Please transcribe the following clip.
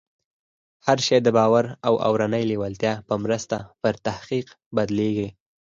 هر شی د باور او اورنۍ لېوالتیا په مرسته پر حقیقت بدلېږي